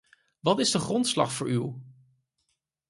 Wat is de grondslag voor uw ?